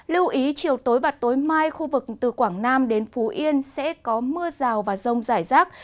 lưu ý chiều tối và tối mai khu vực từ quảng nam đến phú yên sẽ có mưa rào và rông rải rác